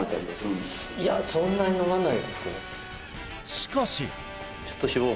しかし